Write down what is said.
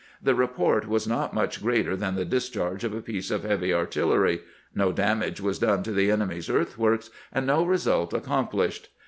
The report was not much greater than the discharge of a piece of heavy artillery ; no damage was done to the enemy's earthworks, and no result accom plished.